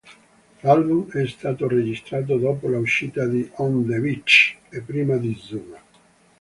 L'album è stato registrato dopo l'uscita di "On the Beach" e prima di "Zuma".